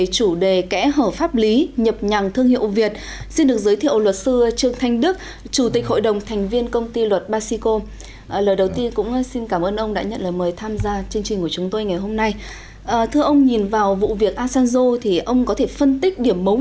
chúng ta có thể thấy rằng một doanh nghiệp nói chung